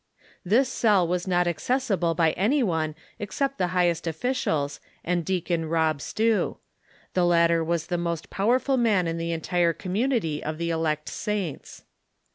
Tins cell was not accessible by any one except the highest officials and Deacon Rob Stew ; the latter was the most powerful man in the entire community of the elect saints.